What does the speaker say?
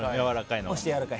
押してやわらかい。